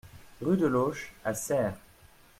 Rue de L'Auche à Serres